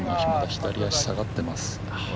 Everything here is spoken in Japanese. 左足が下がっています。